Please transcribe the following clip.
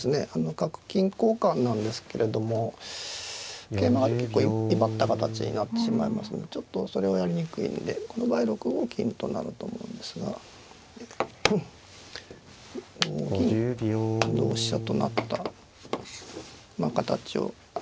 角金交換なんですけれども桂馬が結構威張った形になってしまいますのでちょっとそれはやりにくいんでこの場合６五金となると思うんですが同銀同飛車となった形を。